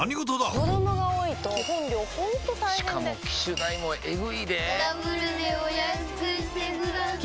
子供が多いと基本料ほんと大変でしかも機種代もエグいでぇダブルでお安くしてください